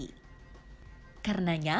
masuk dalam zona pemanfaatan wisata darat dan bahari